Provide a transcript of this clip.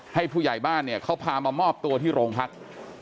ให้ผู้ใหญ่บ้านเขาพามามอบตัวที่โรงพักษณ์